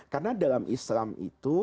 karena dalam islam itu